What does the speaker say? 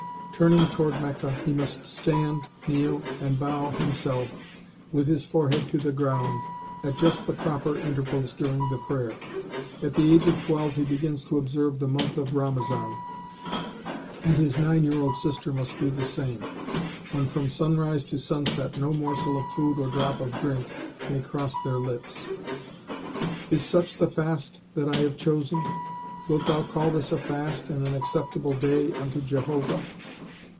Turning toward Mecca, he must stand, kneel, and bow himself with his forehead to the ground, at just the proper intervals during the prayer. At the age of twelve he begins to observe the month of Ramazan, and his nine year old sister must do the same, when from sunrise to sunset no morsel of food or drop of drink may cross their lips. "Is such the fast that I have chosen? wilt thou call this a fast and an acceptable day unto Jehovah?"